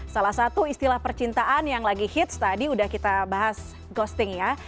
salah satu istilah percintaan yang lagi hits tadi udah kita bahas ghosting ya